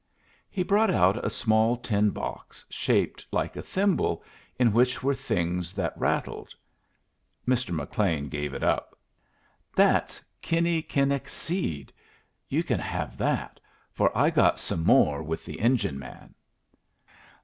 He brought out a small tin box shaped like a thimble, in which were things that rattled. Mr. McLean gave it up. "That's kinni kinnic seed. You can have that, for I got some more with the engine man."